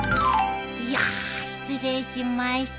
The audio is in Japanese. いや失礼しました。